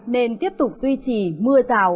nên tiếp tục duy trì mưa rào